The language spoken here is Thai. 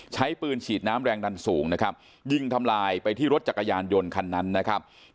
ใช้ปืนฉีดน้ำแรงดันสูงนะครับยิงทำลายไปที่รถจักรยานยนต์คันนั้นนะครับ